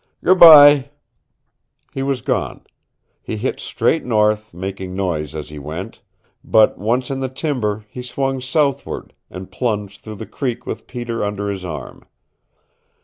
Goodby " He was gone. He hit straight north, making noise as he went, but once in the timber he swung southward, and plunged through the creek with Peter under his arm.